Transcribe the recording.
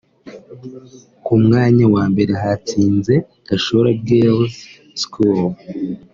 Ku mwanya wa mbere hatsinze Gashora Girls School